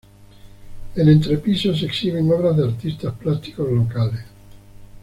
En entrepiso se exhiben obras de artistas plásticos locales.